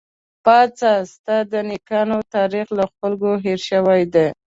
پاڅه ! ستا د نيکونو تاريخ له خلکو هېر شوی دی